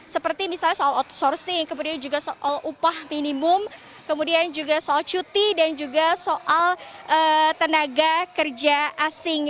seperti misalnya soal outsourcing kemudian juga soal upah minimum kemudian juga soal cuti dan juga soal tenaga kerja asing